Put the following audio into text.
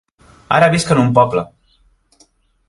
Ara visc en un poble.